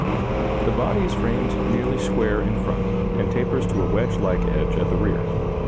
] The body is framed nearly square in front and tapers to a wedge like edge at the rear.